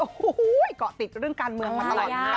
โอ้โฮก็ติดเรื่องการเมืองมันตลอด